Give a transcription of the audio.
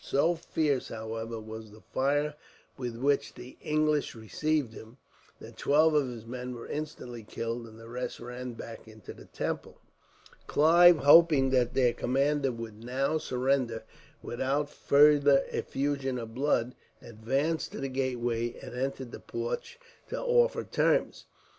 So fierce, however, was the fire with which the English received him, that twelve of his men were instantly killed, and the rest ran back into the temple. Clive, hoping that their commander would now surrender without further effusion of blood, advanced to the gateway and entered the porch to offer terms.